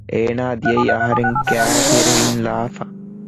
އޭނާ ދިޔައީ އަހަރެންގެ ގައިތެރެއިންލާފަ